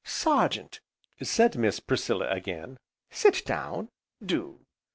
"Sergeant," said Miss Priscilla again, "sit down, do."